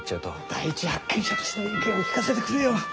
第一発見者としての意見を聞かせてくれよ。